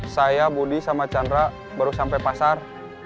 saya budi sama chandra baru sampai pasar